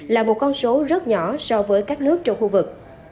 là một con số rất nhỏ so với các nước trong khu vực